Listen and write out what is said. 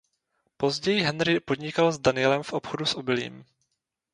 Později Henry podnikal s Danielem v obchodu s obilím.